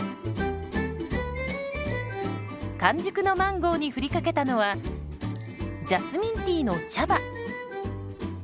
完熟のマンゴーに振りかけたのはジャスミンティーの茶葉。